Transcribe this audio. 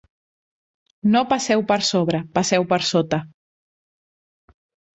No passeu per sobre: passeu per sota.